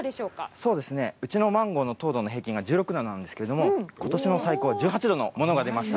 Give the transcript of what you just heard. そうですね、うちのマンゴーの糖度の平均が１６度なんですけれども、ことしの最高は１８度のものが出ました。